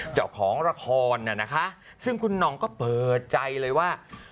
เจ้าของละครน่ะนะคะซึ่งคุณหน่องก็เปิดใจเลยว่า